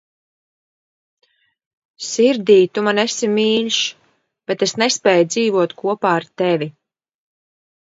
Sirdī Tu man esi mīļš, bet es nespēju dzīvot kopā ar Tevi